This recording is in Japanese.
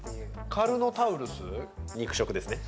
カルノタウルス肉食です。